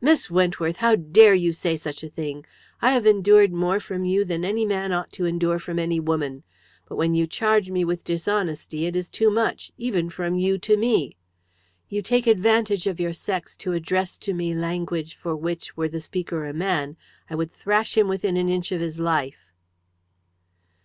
"Miss Wentworth, how dare you say such a thing! I have endured more from you than any man ought to endure from any woman. But when you charge me with dishonesty it is too much, even from you to me. You take advantage of your sex to address to me language for which, were the speaker a man, I would thrash him within an inch of his life."